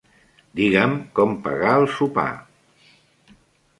Digue'm com pagar el sopar.